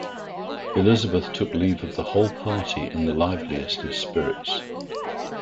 Elizabeth took leave of the whole party in the liveliest of spirits.